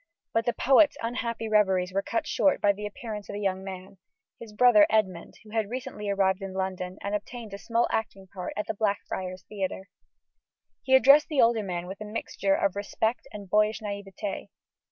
But the poet's unhappy reveries were cut short by the appearance of a young man his brother Edmund, who had recently arrived in London and obtained a small acting post at the Blackfriars Theatre. He addressed the older man with a mixture of respect and boyish naïveté.